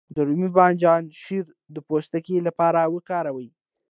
د رومي بانجان شیره د پوستکي لپاره وکاروئ